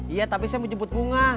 iya tapi saya mau jemput bunga